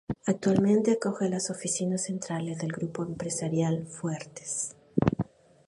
Actualmente acoge las oficinas centrales del grupo empresarial Fuertes.